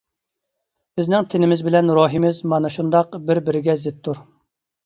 بىزنىڭ تېنىمىز بىلەن روھىمىز مانا شۇنداق بىر-بىرىگە زىتتۇر.